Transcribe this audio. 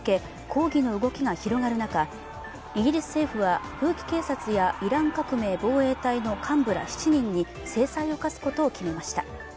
抗議の動きが広がる中イギリス政府は、風紀警察やイラン革命防衛隊の幹部ら７人に制裁を科すことを決めました。